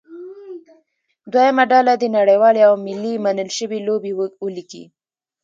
دویمه ډله دې نړیوالې او ملي منل شوې لوبې ولیکي.